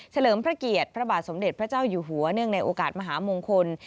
เลิมพระเกียรติพระบาทสมเด็จพระเจ้าอยู่หัวเนื่องในโอกาสมหามงคล